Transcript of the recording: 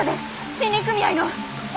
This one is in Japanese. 森林組合の。